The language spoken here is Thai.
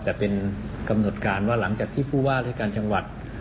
แต่เป็นกำหนดการว่าหลังจากที่ผู้ว่าราชการจังหวัด